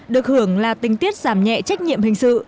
được hưởng là tình tiết giảm nhẹ trách nhiệm hình sự